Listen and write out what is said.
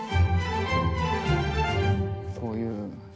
こういう。